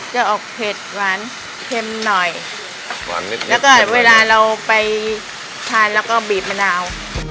จะออกเผ็ดหวานเค็มหน่อยหวานนิดแล้วก็เวลาเราไปทานแล้วก็บีบมะนาว